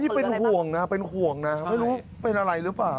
นี่เป็นห่วงนะเป็นห่วงนะไม่รู้เป็นอะไรหรือเปล่า